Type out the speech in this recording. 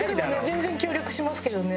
全然協力しますけどね。